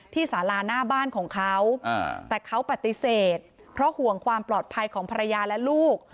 สาราหน้าบ้านของเขาแต่เขาปฏิเสธเพราะห่วงความปลอดภัยของภรรยาและลูก